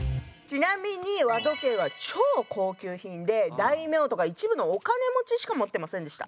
ちなみに和時計は超高級品で大名とか一部のお金持ちしか持ってませんでした。